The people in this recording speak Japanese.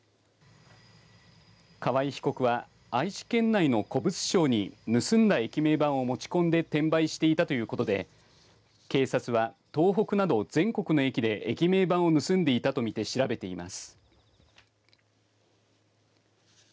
河合被告は愛知県内の古物商に盗んだ駅名板を持ち込んで転売していたということで警察は東北など全国の駅で駅名板を盗んでいたとみて調べています。